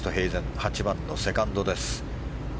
８番のセカンドです。